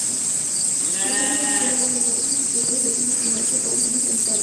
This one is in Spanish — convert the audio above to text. El objetivo inicial era el de encontrar sustitutos al "Pinus pinaster" por razones sanitarias.